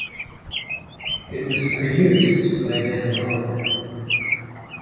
It was produced by Dan Weller.